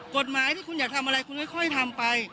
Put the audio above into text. กฎหมายที่คุณอยากทำอะไรคุณค่อยทำไป